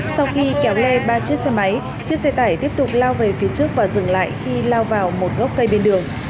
sau khi kéo lê ba chiếc xe máy chiếc xe tải tiếp tục lao về phía trước và dừng lại khi lao vào một gốc cây bên đường